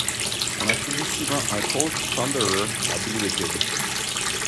On attribue souvent un Colt Thunderer à Billy the Kid.